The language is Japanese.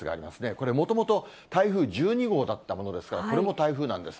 これ、もともと台風１２号だったものですから、これも台風なんです。